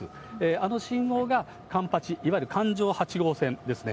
あの信号が環八、いわゆる環状８号線ですね。